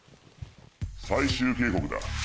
最終警告だ。